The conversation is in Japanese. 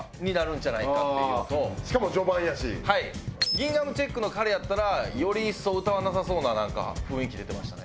ギンガムチェックの彼やったらより一層歌わなさそうな雰囲気出てましたね。